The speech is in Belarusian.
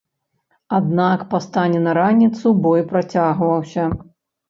Аднак па стане на раніцу бой працягваўся.